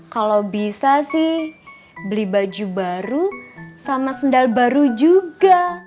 kalau bisa sih beli baju baru sama sendal baru juga